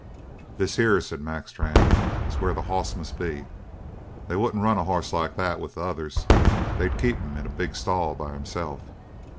"This here," said Mac Strann, "is where that hoss must be. They wouldn't run a hoss like that with others. They'd keep him in a big stall by himself.